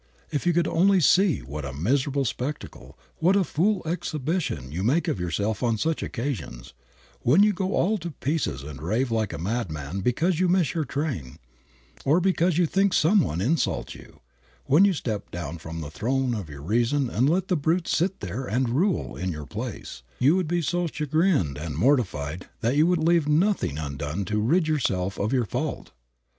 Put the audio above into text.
If you could only see what a miserable spectacle, what a fool exhibition, you make of yourself on such occasions, when you go all to pieces and rave like a madman because you miss your train, or because you think some one insults you, when you step down from the throne of your reason and let the brute sit there and rule in your place, you would be so chagrined and mortified that you would leave nothing undone to rid yourself of your fault.